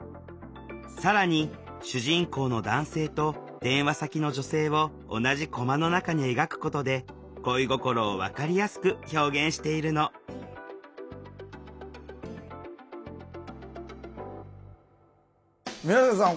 更に主人公の男性と電話先の女性を同じコマの中に描くことで恋心を分かりやすく表現しているの宮下さん